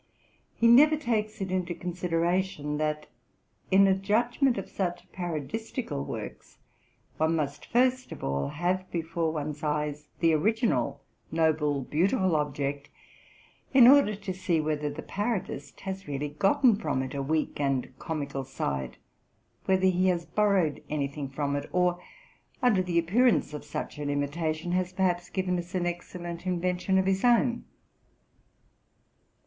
He never takes it inte consideration, that, in a judgment of such parodistical works, one must first of all have before one's eyes the original noble, beautiful object, in order to see whether the parodist has really gotten from it a weak and comical side, whether he has borrowed any thing from it, or, under the appearance of such an imitation, has perhaps given us an excellent inven tion of his own.